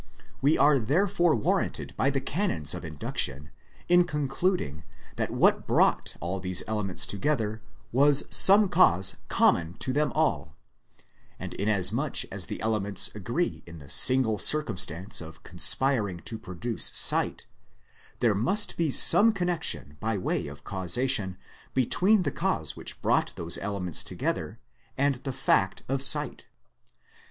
We are therefore warranted by the canons of induction in concluding that what brought all these elements together was some cause common to them all ; and inasmuch as the elements agree in the single circumstance of conspiring to produce sight, there must be some connection by way of causation between the cause which brought those elements together, and the fact of sight.